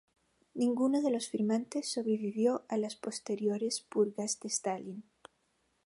Ninguno de los firmantes sobrevivió a las posteriores purgas de Stalin.